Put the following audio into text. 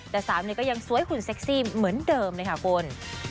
แต่สาวนี้ก็ยังสวยหุ่นเซ็กซี่เหมือนเดิมเลยค่ะคุณ